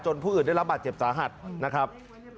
ผู้อื่นได้รับบาดเจ็บสาหัสนะครับ